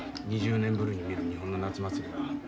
２０年ぶりに見る日本の夏祭りは。